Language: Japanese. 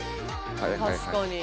確かに。